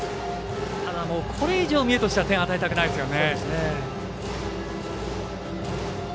これ以上、三重としては点を与えたくないですね。